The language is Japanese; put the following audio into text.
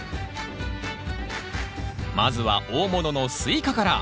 まずは大物のスイカから。